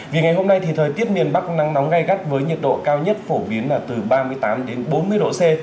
vì ngày hôm nay thì thời tiết miền bắc nắng nóng gai gắt với nhiệt độ cao nhất phổ biến là từ ba mươi tám đến bốn mươi độ c